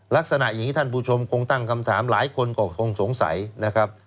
ลักษณะอย่างนี้ท่านผู้ชมคงตั้งคำถามหลายคนก็คงสงสัยนะครับ